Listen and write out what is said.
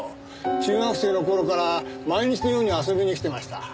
中学生の頃から毎日のように遊びに来てました。